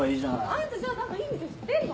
あんたじゃあ何かいい店知ってんの？